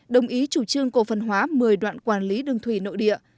đồng ý chủ trương cổ phần hóa một mươi đoạn quản lý đường thủy nội địa